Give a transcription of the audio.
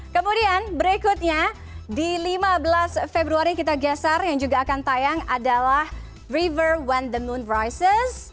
kemudian berikutnya di lima belas februari kita geser yang juga akan tayang adalah river one the moon crisis